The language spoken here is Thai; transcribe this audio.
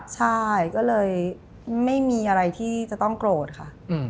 ใช่ก็เลยไม่มีอะไรที่จะต้องโกรธค่ะ